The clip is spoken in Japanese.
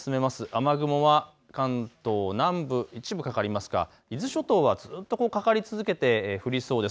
雨雲は関東南部、一部かかりますが、伊豆諸島はずっとかかり続けて降りそうです。